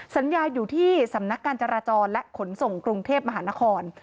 สัญญาอยู่ที่สำนักการจราจรและขนส่งกรุงเทพมหานคร